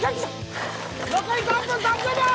残り３分３０秒。